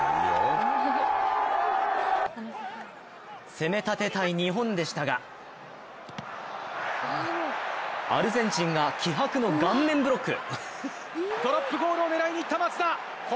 攻めたてたい日本でしたがアルゼンチンが気迫の顔面ブロック。